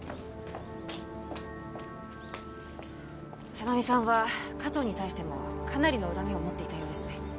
さなみさんは加藤に対してもかなりの恨みを持っていたようですね。